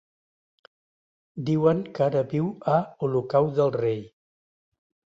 Diuen que ara viu a Olocau del Rei.